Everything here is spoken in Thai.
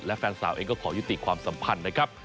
และแฟนสาวเองก็ขอยุติความสัมพันธ์นะครับ